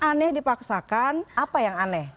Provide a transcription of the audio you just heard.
aneh dipaksakan apa yang aneh